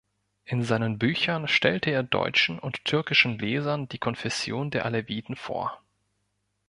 In seinen Büchern stellte er deutschen und türkischen Lesern die Konfession der Aleviten vor.